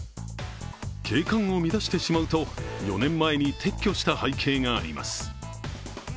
景観を乱してしまうと４年前に撤去した背景があります。